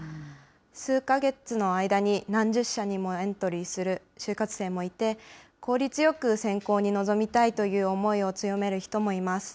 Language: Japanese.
数か月の間に何十社にもエントリーする就活生もいて、効率よく選考に臨みたいという思いも強める人もいます。